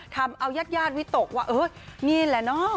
ทำเอายาดวิตกว่าเออนี่แหละเนอะ